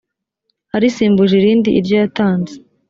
arisimbuje irindi iryo yatanze